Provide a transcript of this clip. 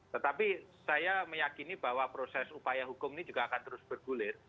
tetapi saya meyakini bahwa proses upaya hukum ini juga akan terus bergulir